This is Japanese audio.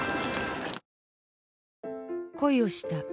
恋をした。